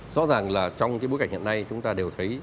rõ ràng là trong cái bối cảnh hiện nay chúng ta đều thấy